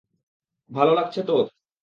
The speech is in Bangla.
ভালো লাগছে তোর?